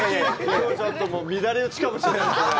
きょうちょっと乱れ打ちかもしれないですね。